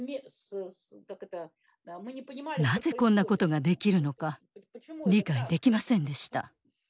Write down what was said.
なぜこんなことができるのか理解できませんでした。